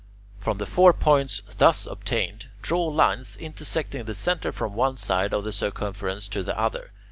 From the four points thus obtained draw lines intersecting the centre from one side of the circumference to the other.